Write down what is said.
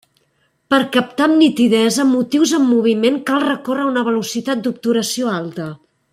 Per captar amb nitidesa motius en moviment cal recórrer a una velocitat d'obturació alta.